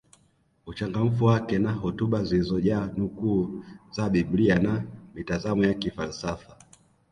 Uchangamfu wake na hotuba zilizojaa nukuu za biblia na mitazamo ya kifalsafa